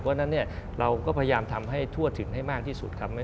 เพราะฉะนั้นเราก็พยายามทำให้ทั่วถึงให้มากที่สุดครับ